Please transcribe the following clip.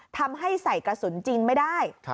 ทำให้ใส่กระสุนจริงไม่ได้